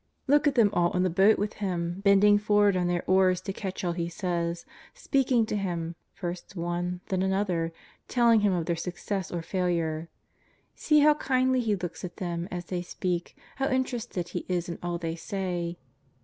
Look at them all in the boat with Him, bending forward on their oars to catch all He says ; speaking to Him, first one, then another; telling Him of their suc cess or failure. See how kindly He looks at them as they speak, how interested He is in all they say.